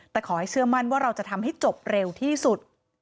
แต่ขอให้เชื่อมั่นว่าเราจะทำให้จบเร็วที่สุด